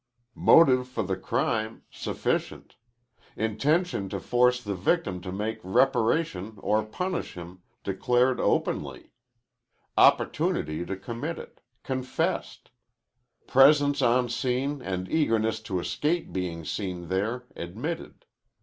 Motive for the crime, sufficient; intention to force the victim to make reparation or punish him, declared openly; opportunity to commit it, confessed; presence on scene and eagerness to escape being seen there, admitted.